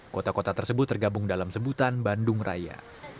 kota kota tersebut tergabung dalam sebutan bandung raya